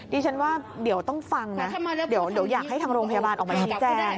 ดิฉันว่าจะอยากให้ทางโรงพยาบาลออกมาจีนแจ้ง